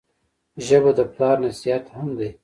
ژبه د پلار نصیحت هم دی